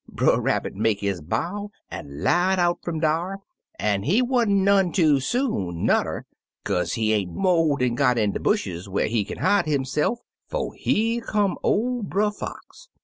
Brer Rabbit make his bow an* light out fiun dar; an' he wa'n't none too soon, nudder, kaze he ain't mo' dan gpt in de bushes whar he kin hide hisse'f, 'fo' here come ol' Brer Fox.